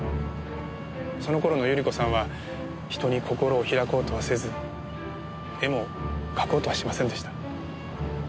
その頃の百合子さんは人に心を開こうとはせず絵も描こうとはしませんでした。